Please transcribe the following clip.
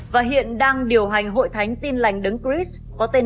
và hiện đang điều hành hội thánh tin lành đấng cris tây nguyên